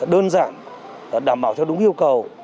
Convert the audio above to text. đơn giản đảm bảo theo đúng yêu cầu